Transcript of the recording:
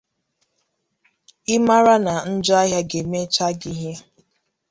ị mara na njọahịa ga-emechaa gị ihe.